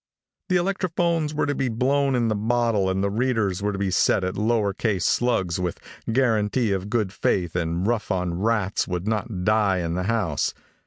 "The electrophones were to be blown in the bottle and the readers were to be set in lower case slugs with guarantee of good faith and Rough on Rats would not die in the house.